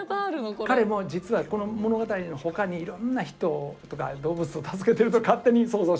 彼も実はこの物語のほかにいろんな人とか動物を助けてると勝手に想像してるんです。